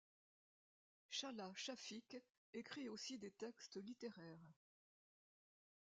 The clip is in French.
Chahla Chafiq écrit aussi des textes littéraires.